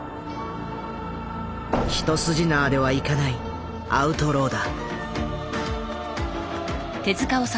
一筋縄ではいかないアウトローだ。